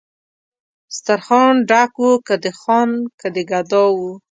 سترخان ډک و که د خان که د ګدا وو